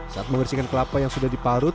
saat membersihkan kelapa yang sudah diparut